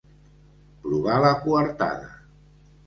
Provar la coartada.